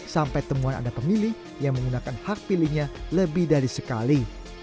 sampai temuan ada pemilih yang menggunakan hak pilihnya lebih dari sekali